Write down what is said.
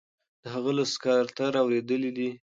د هغه له سکرتر اوریدلي دي.